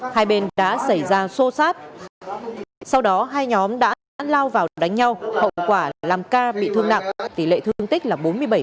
hai bên đã xảy ra xô xát sau đó hai nhóm đã lao vào đánh nhau hậu quả là làm ca bị thương nặng tỷ lệ thương tích là bốn mươi bảy